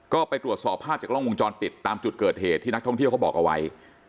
ก็ไปตรวจสอบภาพจากกล้องวงจรปิดตามจุดเกิดเหตุที่นักท่องเที่ยวเขาบอกเอาไว้